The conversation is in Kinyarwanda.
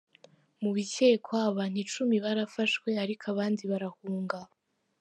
Mu bikekwa, abantu cumi barafashwe ariko abandi barahunga.